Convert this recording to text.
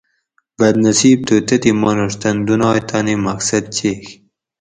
بد نصیب تُھو تتھیں مانوڄ تن دنائے تانی مقصد چیگ